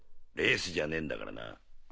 レースじゃねえんだからな。